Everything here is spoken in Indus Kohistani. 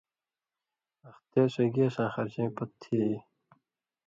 اخ تے سُوئ گیساں خرچَیں پتہۡ تھی یی؟